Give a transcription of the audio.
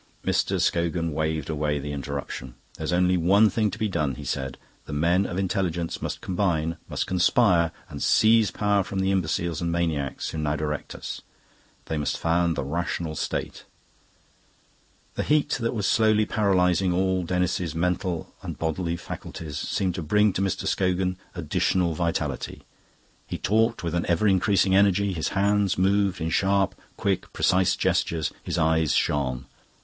Mr. Scogan waved away the interruption. "There's only one thing to be done," he said. "The men of intelligence must combine, must conspire, and seize power from the imbeciles and maniacs who now direct us. They must found the Rational State." The heat that was slowly paralysing all Denis's mental and bodily faculties, seemed to bring to Mr. Scogan additional vitality. He talked with an ever increasing energy, his hands moved in sharp, quick, precise gestures, his eyes shone.